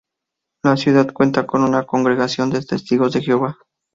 La ciudad cuenta con una congregación de testigos de Jehová.